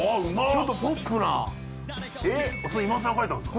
ちょっとポップなえっそれ今田さんが描いたんですか？